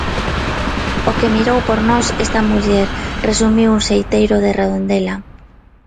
"O que mirou por nós esta muller", resumiu un xeiteiro de Redondela.